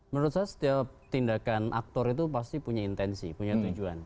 menurut saya setiap tindakan aktor itu pasti punya intensi punya tujuan